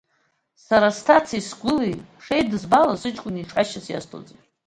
Сара сҭацеи сгәылеи шеидызбалаз, сыҷкәын иҿы ҳәашьас иасҭозеи?